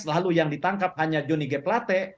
lalu yang ditangkap hanya jonny g plate